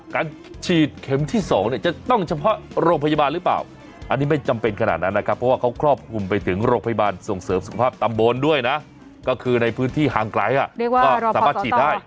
การฉีดเข็มที่๒เนี่ยจะต้องเฉพาะโรงพยาบาลหรือเปล่าอันนี้ไม่จำเป็นขนาดนั้นนะครับเพราะว่าเขาครอบคลุมไปถึงโรงพยาบาลส่งเสริมสุขภาพตำบลด้วยนะก็คือในพื้นที่ห่างไกลก็สามารถฉีดได้